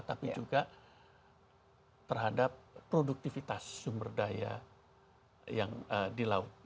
tapi juga terhadap produktivitas sumber daya yang di laut